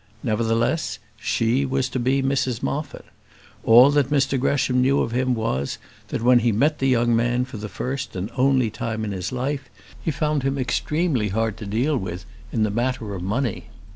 Nevertheless, she was to be Mrs Moffat. All that Mr Gresham knew of him was, that when he met the young man for the first and only time in his life, he found him extremely hard to deal with in the matter of money.